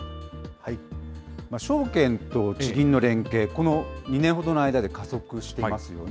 証券と地銀の連携、この２年ほどの間で加速していますよね。